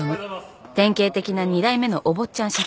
典型的な二代目のお坊ちゃん社長。